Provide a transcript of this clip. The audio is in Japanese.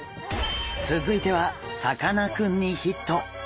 続いてはさかなクンにヒット！